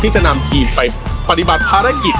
จะนำทีมไปปฏิบัติภารกิจ